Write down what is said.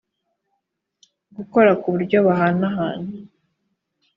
gukora ku buryo bahanahana